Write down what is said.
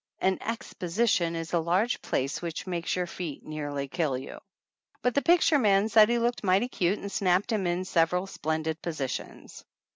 (An exposition is a large place which makes your feet nearly kill you.) But the picture man said he looked mighty cute and snapped him in several splendid positions.